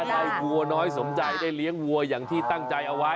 นายวัวน้อยสมใจได้เลี้ยงวัวอย่างที่ตั้งใจเอาไว้